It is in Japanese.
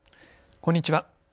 こんにちは。